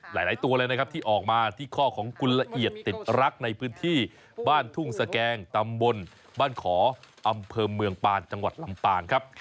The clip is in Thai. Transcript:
หลายตัวเลยนะครับที่ออกมาที่ข้อของกุลละเอียดติดรักในพื้นที่บ้านทุ่งสแกงตำบลบ้านขออำเภอเมืองปานจังหวัดลำปางครับ